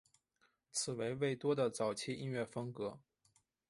此为魏多的早期音乐风格。